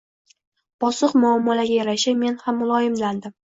Bosiq muomalaga yarasha, men ham muloyimlandim: